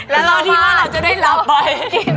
แล้วที่ว่าเราจะได้หลับไป